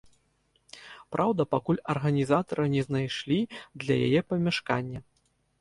Праўда, пакуль арганізатары не знайшлі для яе памяшкання.